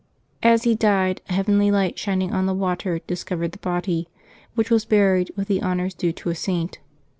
As he died, a heavenly light shining on the water discovered the body, which was buried with the honors due to a Saint.